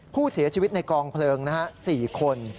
ผู้เสียชีวิตในกองเพลิง๔คน